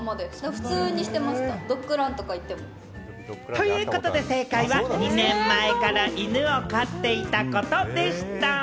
ということで、正解は２年前から犬を飼っていたことでした。